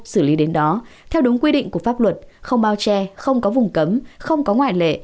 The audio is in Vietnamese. xử lý đến đó theo đúng quy định của pháp luật không bao che không có vùng cấm không có ngoại lệ